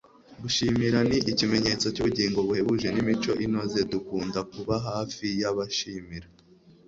gushimira ni ikimenyetso cyubugingo buhebuje nimico inoze. dukunda kuba hafi y'abashimira